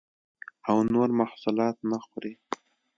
او نور محصولات نه خوري